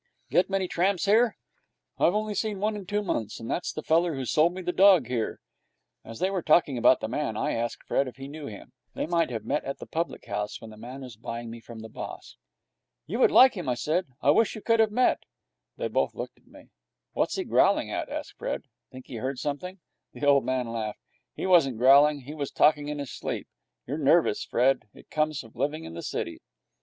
'Get many tramps here?' 'I've only seen one in two months, and that's the feller who sold me the dog here.' As they were talking about the man, I asked Fred if he knew him. They might have met at the public house, when the man was buying me from the boss. 'You would like him,' I said. 'I wish you could have met.' They both looked at me. 'What's he growling at?' asked Fred. 'Think he heard something?' The old man laughed. 'He wasn't growling. He was talking in his sleep. You're nervous, Fred. It comes of living in the city.'